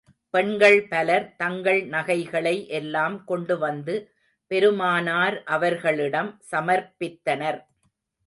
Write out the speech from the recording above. பெண்கள் பலர், தங்கள் நகைகளை எல்லாம் கொண்டு வந்து, பெருமானார் அவர்களிடம் சமர்ப்பித்தனர்.